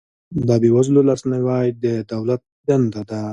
د بې وزلو لاسنیوی د دولت دنده ده